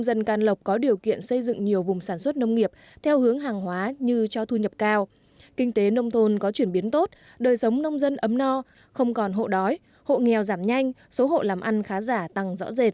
dân can lộc có điều kiện xây dựng nhiều vùng sản xuất nông nghiệp theo hướng hàng hóa như cho thu nhập cao kinh tế nông thôn có chuyển biến tốt đời sống nông dân ấm no không còn hộ đói hộ nghèo giảm nhanh số hộ làm ăn khá giả tăng rõ rệt